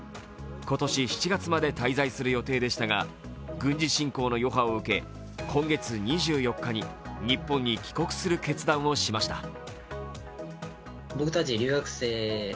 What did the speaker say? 今年７月まで滞在する予定でしたが軍事侵攻の余波を受け、今月２４日に日本に帰国する決断をしました。